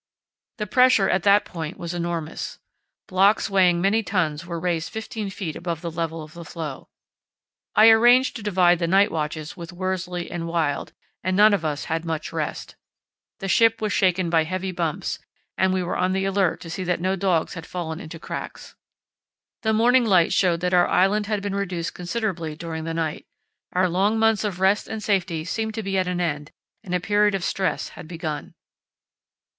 The pressure at that point was enormous. Blocks weighing many tons were raised 15 ft. above the level of the floe. I arranged to divide the night watches with Worsley and Wild, and none of us had much rest. The ship was shaken by heavy bumps, and we were on the alert to see that no dogs had fallen into cracks. The morning light showed that our island had been reduced considerably during the night. Our long months of rest and safety seemed to be at an end, and a period of stress had begun.